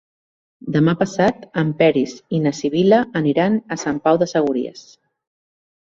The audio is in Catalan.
Demà passat en Peris i na Sibil·la aniran a Sant Pau de Segúries.